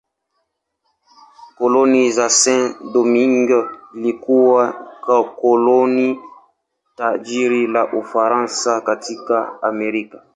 Koloni la Saint-Domingue lilikuwa koloni tajiri la Ufaransa katika Amerika.